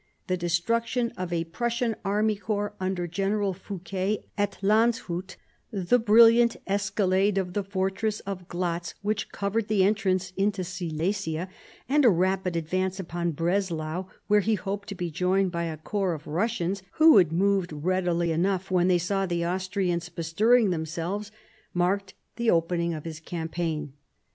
The destruction of a Prussian army corps under General Fouquet at Landshut, the brilliant escalade of the fortress of Glatz which covered the entrance into Silesia, and a rapid advance upon Breslau, where he hoped to be joined by a corps of Russians who had moved readily enough when they saw the Austrians bestirring themselves, marked the opening of his campaign.